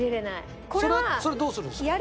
それはどうするんですか？